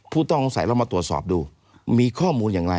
ผู้ต้องใส่เรามาตรวจสอบดูมีข้อมูลอย่างไร